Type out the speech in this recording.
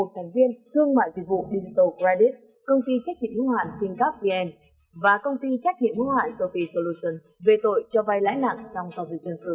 một thành viên thương mại dịch vụ digital credit công ty trách nhiệm hưu hạn fincapvn và công ty trách nhiệm hưu hạn sophie solutions về tội cho vay lãi nặng trong tòa dịch dân sự